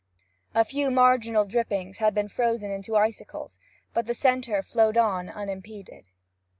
A few marginal drippings had been frozen into icicles, but the centre flowed on unimpeded.